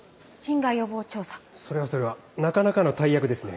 それはそれはなかなかの大役ですね。